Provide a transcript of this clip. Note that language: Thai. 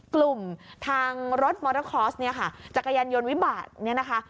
กลุ่มทางรถมอเตอร์คอร์สเนี่ยค่ะจักรยานยนต์วิบาตเนี่ยนะคะ